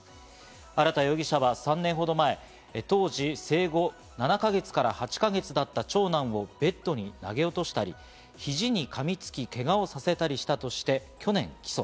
荒田容疑者は３年ほど前、当時、生後７か月から８か月だった長男をベッドに投げ落としたり、肘にかみつき、けがをさせたりしたとして去年起訴。